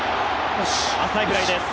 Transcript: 浅いフライです。